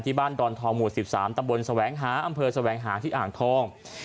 บ้านดอนทองหมู่๑๓ตำบลแสวงหาอำเภอแสวงหาที่อ่างทอง